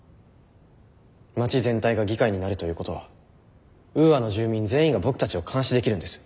街全体が議会になるということはウーアの住民全員が僕たちを監視できるんです。